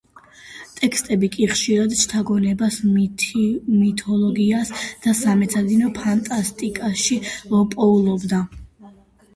ტექსტები კი, ხშირად, შთაგონებას მითოლოგიასა და სამეცნიერო ფანტასტიკაში პოულობდა.